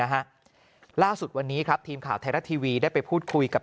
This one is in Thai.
ฮะล่าสุดวันนี้ครับทีมข่าวไทยรัฐทีวีได้ไปพูดคุยกับ